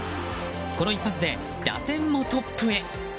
この一発で打点もトップへ。